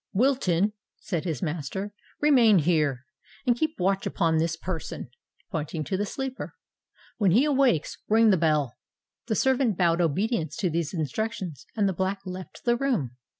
"Wilton," said his master, "remain here, and keep watch upon this person,"—pointing to the sleeper. "When he awakes, ring the bell." The servant bowed obedience to these instructions; and the Black left the room.